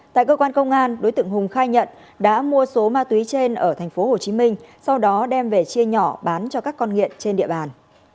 tại cơ quan công an đối tượng hùng khai nhận đã mua số ma túy trên ở tp hcm sau đó đem về chia nhỏ bán cho các con nghiện trên địa bàn